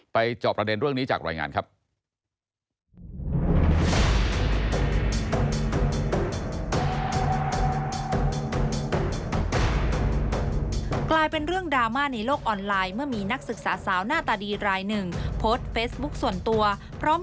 จอบประเด็นเรื่องนี้จากรายงานครับ